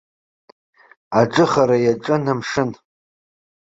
Аҿыхара иаҿын амшын.